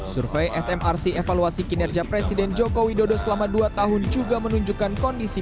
survei smrc evaluasi kinerja presiden joko widodo selama dua tahun juga menunjukkan kondisi